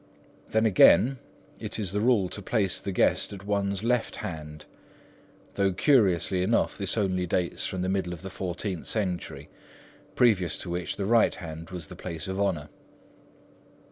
Then again, it is the rule to place the guest at one's left hand, though curiously enough this only dates from the middle of the fourteenth century, previous to which the right hand was the place of honour.